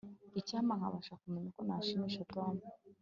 icyampa nkabasha kumenya uko nashimisha tom